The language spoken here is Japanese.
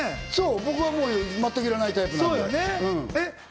僕は全くいらないタイプなんで。